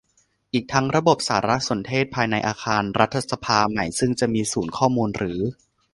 อีกทั้งระบบสารสนเทศภายในอาคารรัฐสภาใหม่ซึ่งจะมีศูนย์ข้อมูลหรือ